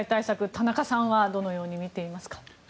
田中さんはどのように見ていますか。